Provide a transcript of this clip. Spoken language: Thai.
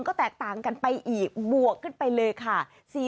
ก็แตกต่างกันไปอีกบวกขึ้นไปเลยค่ะ